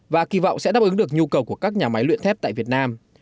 và kỳ vọng sẽ đáp ứng được nhu cầu của các nhà máy luyện thép tại việt nam